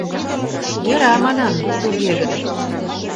— Йӧра, манам, туге гын...